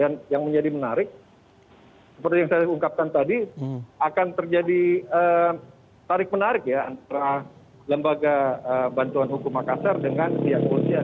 dan yang menjadi menarik seperti yang saya ungkapkan tadi akan terjadi tarik menarik ya antara lembaga bantuan hukum makassar dengan pihak polisian